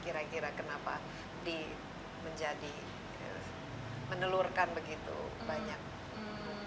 kira kira kenapa di menjadi menelurkan begitu banyak buku